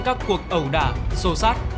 các cuộc ẩu đả sô sát